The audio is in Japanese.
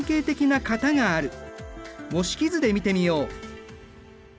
模式図で見てみよう。